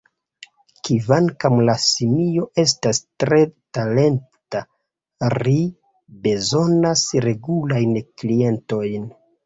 Kvankam la simio estas tre talenta, ri bezonas regulajn klientojn.